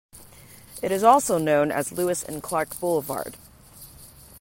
It is also known as Lewis and Clark Boulevard.